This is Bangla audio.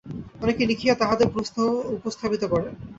অনেকে লিখিয়া তাঁহাদের প্রশ্ন উপস্থাপিত করেন।